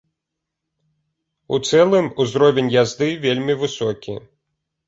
У цэлым узровень язды вельмі высокі.